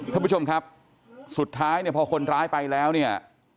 ท่านผู้ชมครับสุดท้ายเนี่ยพอคนร้ายไปแล้วเนี่ย